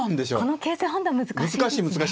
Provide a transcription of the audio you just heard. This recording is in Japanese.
この形勢判断難しいですね。